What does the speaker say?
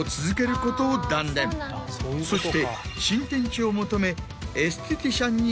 そして新天地を求め。